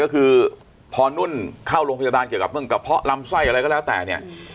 ก็คือพอนุ่นเข้าโรงพยาบาลเกี่ยวกับเรื่องกระเพาะลำไส้อะไรก็แล้วแต่เนี่ย